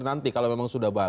nanti kalau memang sudah baik